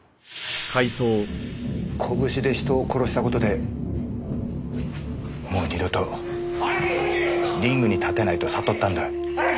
拳で人を殺した事でもう二度とリングに立てないと悟ったんだ。